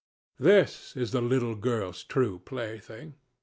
This is the little girl's true plaything.